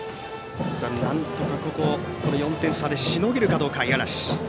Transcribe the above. なんとか４点差でしのげるか五十嵐。